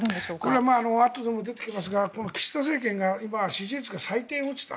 これはあとでも出てきますが岸田政権が今、支持率が最低に落ちた。